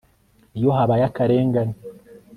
iyo habaye akarengane